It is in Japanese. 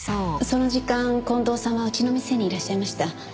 その時間近藤さんはうちの店にいらっしゃいました。